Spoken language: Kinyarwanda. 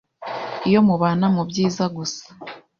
Iyo mubana mu byiza gusa